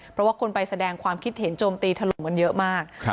เพราะว่าคนไปแสดงความคิดเห็นโจมตีถล่มกันเยอะมาก